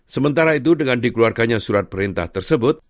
sementara itu dengan dikeluarkannya surat perintah tersebut